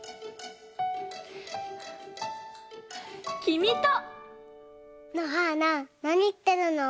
きみと！のはーななにいってるの？